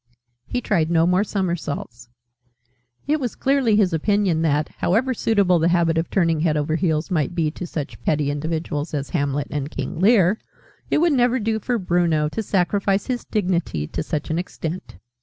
He tried no more somersaults. It was clearly his opinion that, however suitable the habit of turning head over heels might be to such petty individuals as Hamlet and King Lear, it would never do for Bruno to sacrifice his dignity to such an extent.